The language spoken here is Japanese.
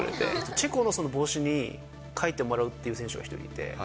チェコの帽子に書いてもらうっていう選手が１人いて。